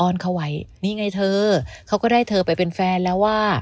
อนเขาไว้นี่ไงเธอเขาก็ได้เธอไปเป็นแฟนแล้วว่า